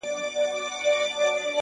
o مړ به سم مړى به مي ورك سي گراني ،